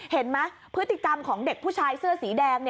เห็นไหมพฤติกรรมของเด็กผู้ชายเสื้อสีแดง